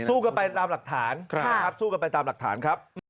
สู้กันไปตามหลักฐานนะครับสู้กันไปตามหลักฐานครับ